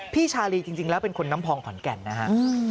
ชาลีจริงแล้วเป็นคนน้ำพองขอนแก่นนะฮะ